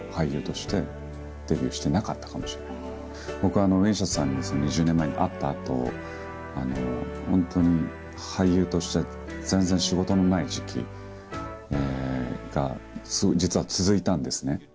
僕ウィン・シャさんに２０年前に会った後ホントに俳優として全然仕事のない時期が実は続いたんですね。